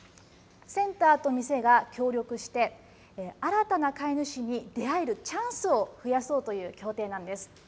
センターと店が協力して、新たな飼い主に出会えるチャンスを増やそうという協定なんです。